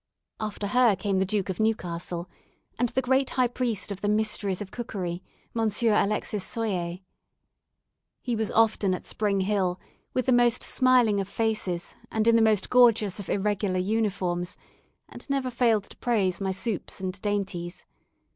After her, came the Duke of Newcastle, and the great high priest of the mysteries of cookery, Mons. Alexis Soyer. He was often at Spring Hill, with the most smiling of faces and in the most gorgeous of irregular uniforms, and never failed to praise my soups and dainties.